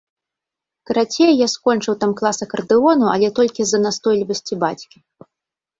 Карацей, я скончыў там клас акардэону, але толькі з-за настойлівасці бацькі.